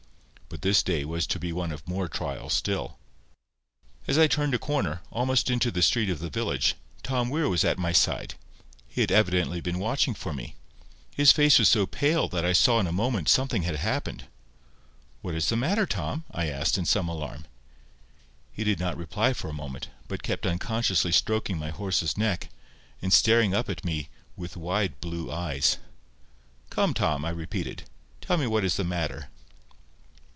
But this day was to be one of more trial still. As I turned a corner, almost into the street of the village, Tom Weir was at my side. He had evidently been watching for me. His face was so pale, that I saw in a moment something had happened. "What is the matter, Tom?" I asked, in some alarm. He did not reply for a moment, but kept unconsciously stroking my horse's neck, and staring at me "with wide blue eyes." "Come, Tom," I repeated, "tell me what is the matter."